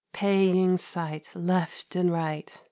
Paying sight ! Left and right.